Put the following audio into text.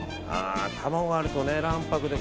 卵あるとね、卵白で。